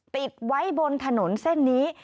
ติดไว้บนถนนเส้นนี้